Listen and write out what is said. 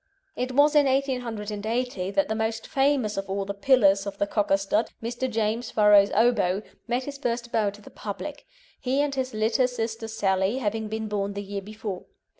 It was in 1880 that the most famous of all the "pillars" of the Cocker stud, Mr. James Farrow's Obo, made his first bow to the public, he and his litter sister Sally having been born the year before.